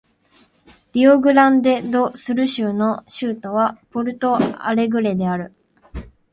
リオグランデ・ド・スル州の州都はポルト・アレグレである